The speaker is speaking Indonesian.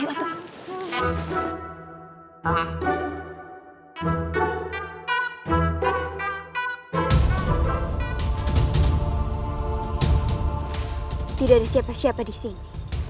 tidak ada siapa siapa disini